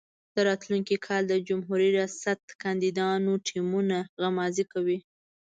د راتلونکي کال د جمهوري ریاست کاندیدانو ټیمونه غمازي کوي.